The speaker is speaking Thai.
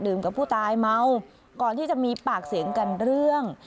กับผู้ตายเมาก่อนที่จะมีปากเสียงกันเรื่อง